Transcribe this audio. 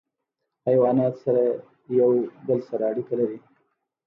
حیوانات سره یو بل سره اړیکه لري.